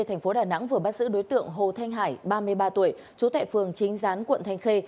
thành phố đà nẵng vừa bắt giữ đối tượng hồ thanh hải ba mươi ba tuổi trú tại phường chính gián quận thanh khê